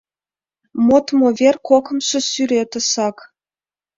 Модмо вер кокымшо сӱретысак.